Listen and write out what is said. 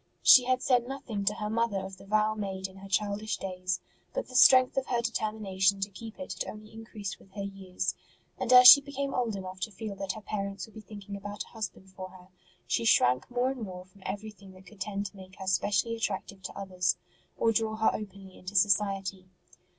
She had said nothing to her mother of the vow made in her childish days; but the strength of her determination to keep it had only increased with her years ; and as she became old enough to feel that her parents would be thinking about a husband for her, she shrank more and more from everything that could tend to make her specially attractive to others, or draw her openly into society.